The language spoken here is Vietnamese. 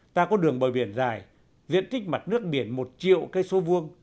ta có đường bờ biển dài diện tích mặt nước biển một triệu cây số vuông